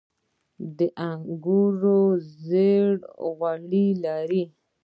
د انګورو زړې غوړي لري.